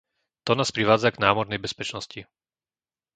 To nás privádza k námornej bezpečnosti.